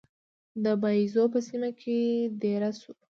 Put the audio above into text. د باییزو په سیمه کې دېره شو.